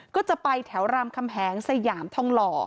ก็จะไปแถวรามคำแหงสยามทองหล่อ